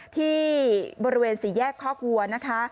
ที่บริเวณสี่แยกคอกวัวนะคะ